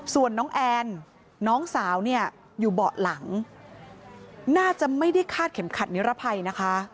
ส่วนน้องแอนน้องสาวเนี่ยอยู่เบาะหลังน่าจะไม่ได้คาดเข็มขัดนิรภัยนะคะ